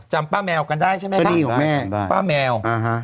จำป้าแมวกันได้ใช่ไหมป้าแมว